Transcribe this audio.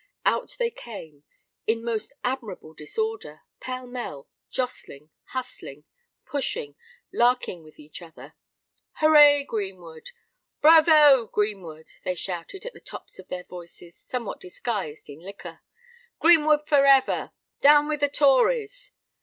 Out they came—in most admirable disorder—pell mell—jostling, hustling, pushing, larking with each other. "Hooray, Greenwood! brayvo, Greenwood!" they shouted, at the tops of voices somewhat disguised in liquor. "Greenwood for ever! Down with the Tories!"